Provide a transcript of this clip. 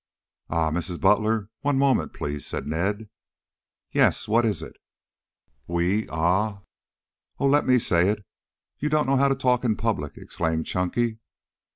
"Ah, Mrs. Butler. One moment, please," said Ned. "Yes. What is it?" "We ah " "Oh, let me say it. You don't know how to talk in public," exclaimed Chunky.